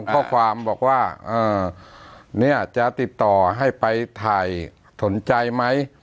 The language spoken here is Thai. ข้อความบอกว่าเนี่ยจะติดต่อให้ไปถ่ายสนใจไหม